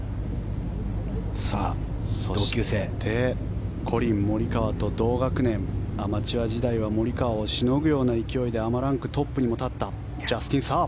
そしてコリン・モリカワと同学年アマチュア時代はモリカワをしのぐような勢いでアマランクトップにも立ったジャスティン・サー。